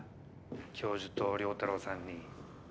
教授と良太郎さんに。